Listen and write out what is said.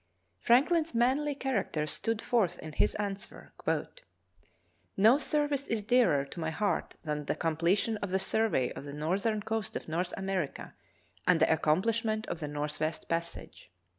Franklin's manly character stood forth in his answer: "No service is dearer to my heart than the completion of the survey of the northern coast of North America and the accomplishment of the northwest passage.